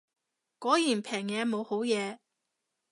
果然平嘢冇好嘢